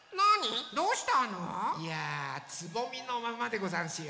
いやつぼみのままでござんすよ。